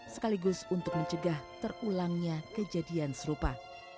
sekaligus untuk mencegah terulangnya kejadian serupa